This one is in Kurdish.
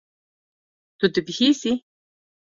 Tu dibihîzî.